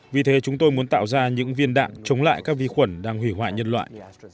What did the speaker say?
vì thế chúng tôi muốn tạo ra những viên đạn chống lại các vi khuẩn đang hủy hoại nhân loại